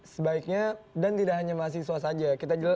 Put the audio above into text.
sebaiknya dan tidak hanya mahasiswa saja